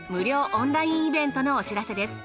オンラインイベントのお知らせです。